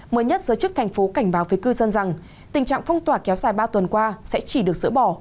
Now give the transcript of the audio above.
mới nhất giới chức thành phố cảnh báo với cư dân rằng tình trạng phong tỏa kéo dài ba tuần qua sẽ chỉ được sỡ bỏ